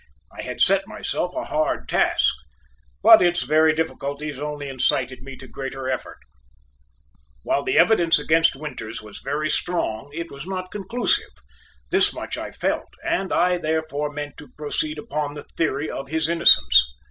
I had set myself a hard task, but its very difficulties only incited me to greater effort. While the evidence against Winters was very strong it was not conclusive. This much I felt, and I, therefore, meant to proceed upon the theory of his innocence.